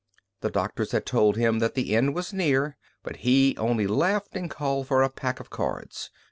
The doctors had told him that the end was near, but he only laughed and called for a pack of cards.